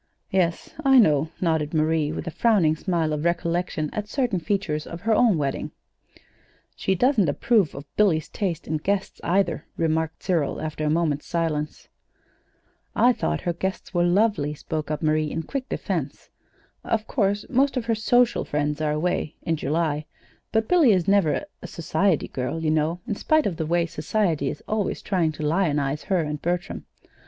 "Yes, I know," nodded Marie, with a frowning smile of recollection at certain features of her own wedding. "She doesn't approve of Billy's taste in guests, either," remarked Cyril, after a moment's silence. "I thought her guests were lovely," spoke up Marie, in quick defense. "Of course, most of her social friends are away in July; but Billy is never a society girl, you know, in spite of the way Society is always trying to lionize her and Bertram."